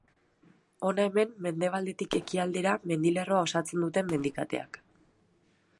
Hona hemen mendebaldetik ekialdera mendilerroa osatzen duten mendikateak.